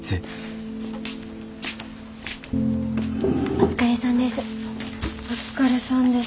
お疲れさんです。